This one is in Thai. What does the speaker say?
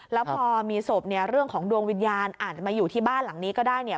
แล้วพอมีศพเรื่องของดวงวิญญาณอ่านมาอยู่ที่บ้านหลังนี้ก็ได้